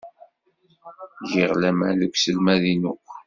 Giɣ laman deg uselmad-inu.